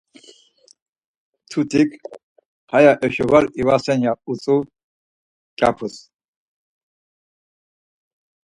Mtutik, Haya haşo var ivasen ya utzu mkyapuz.